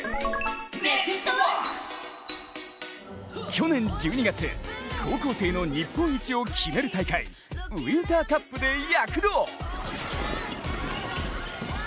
去年１２月、高校生の日本一を決める大会、ウインターカップで躍動。